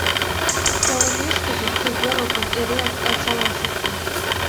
Колымешкыже, Суворовым эреак ачалан шотлен.